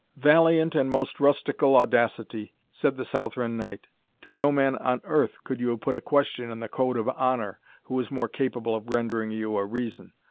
"Valiant and most rustical Audacity," said the Southron knight, "to no man on earth could you have put a question on the code of honour, who was more capable of rendering you a reason.